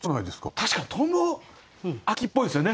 確かに「蜻蛉」秋っぽいですよね。